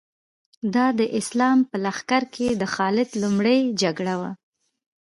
دا د اسلام په لښکر کې د خالد لومړۍ جګړه وه.